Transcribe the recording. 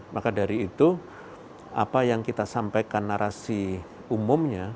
maka dari itu apa yang kita sampaikan narasi umumnya